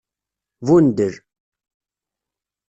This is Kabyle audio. Bundel.